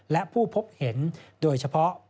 และผู้พบเห็นโดยเฉพาะ